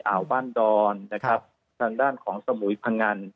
อ่าวบ้านดอนนะครับทางด้านของสมุยพังงัน